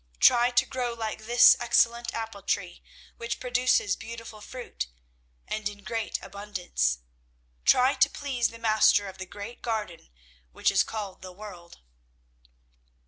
Try to grow like this excellent apple tree, which produces beautiful fruit and in great abundance. Try to please the Master of the great garden which is called the world."